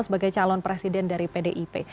sebagai calon presiden dari pdip